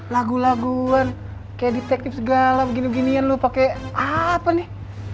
lagu laguan kayak detektif segala begini ginian lu pakai apa nih